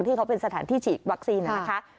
ที่เขาเป็นสถานที่ฉีดวัคซีนนะคะ